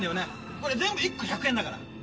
これ全部１個１００円だから。